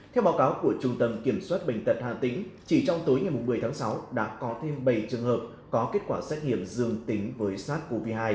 theo báo cáo của trung tâm kiểm soát bệnh tật hà tĩnh chỉ trong tối ngày một mươi tháng sáu đã có thêm bảy trường hợp có kết quả xét nghiệm dương tính với sars cov hai